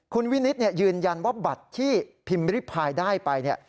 คุณวินิตยืนยันว่าบัตรที่พิมพ์ริพายได้ไปเนี่ย